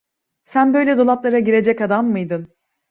Sen böyle dolaplara girecek adam miydin!